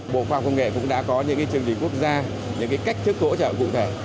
bộ khoa công nghệ cũng đã có những chương trình quốc gia những cách chức hỗ trợ cụ thể